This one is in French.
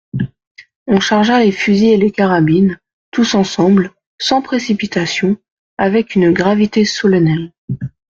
On chargea les fusils et les carabines, tous ensemble, sans précipitation, avec une gravité solennelle.